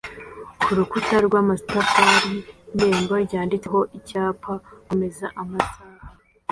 kurukuta rwamatafari n irembo ryanditseho icyapa "KOMEZA AMASAHA"